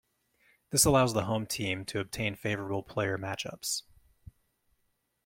This allows the home team to obtain favorable player matchups.